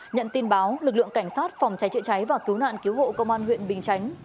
nhận tin báo lực lượng cảnh sát phòng cháy chữa cháy và cứu nạn cứu hộ công an huyện bình chánh